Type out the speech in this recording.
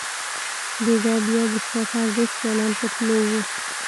بیګا بیا د چا پردېس جانان په تلو وو